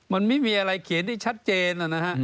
มันไม่มีอะไรเขียนได้ชัดเจนนะฮะ